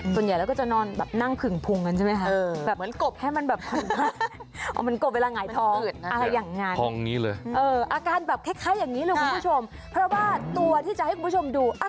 ส่วนใหญ่เราก็จะนอนแบบนั่งผึ่งพุงกันใช่ไหมคะ